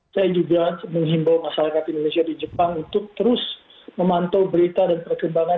saya juga menghimbau masyarakat indonesia di jepang untuk terus memantau berita dan perkembangan